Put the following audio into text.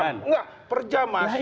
enggak per jam mas